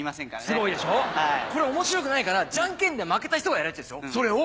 すごいでしょこれ面白くないからじゃんけんで負けた人がやるやつですよそれを？